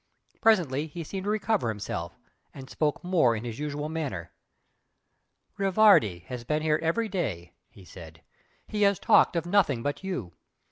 Presently he seemed to recover himself, and spoke more in his usual manner. "Rivardi has been here every day" he said "He has talked of nothing but you.